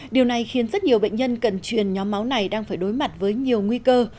điều này khiến rất nhiều bệnh nhân cần truyền nhóm máu này đang phải đối mặt với nhiều nguy cơ